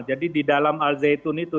jadi di dalam al zaitun itu